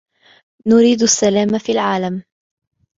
نريد السلام في العالم.